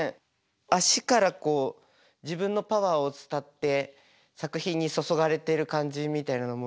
足からこう自分のパワーを伝って作品に注がれてる感じみたいなのも見えて。